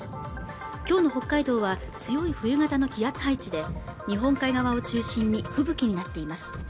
今日の北海道は強い冬型の気圧配置で日本海側を中心に吹雪になっています